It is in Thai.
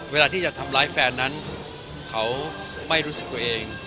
เวลาที่จะทำร้ายแฟนนั้นเขาไม่รู้สึกตัวเอง